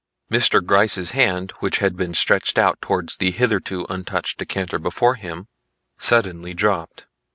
Mr. Gryce's hand which had been stretched out towards the hitherto untouched decanter before him, suddenly dropped.